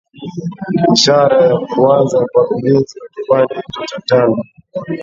Ni ishara ya kuanza kwa ujenzi wa kipande hicho cha tano